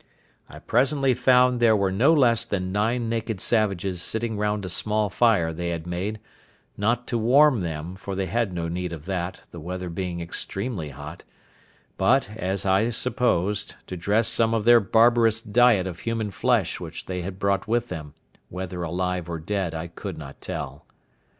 I presently found there were no less than nine naked savages sitting round a small fire they had made, not to warm them, for they had no need of that, the weather being extremely hot, but, as I supposed, to dress some of their barbarous diet of human flesh which they had brought with them, whether alive or dead I could not tell.